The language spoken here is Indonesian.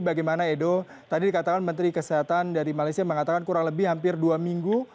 bagaimana edo tadi dikatakan menteri kesehatan dari malaysia mengatakan kurang lebih hampir dua minggu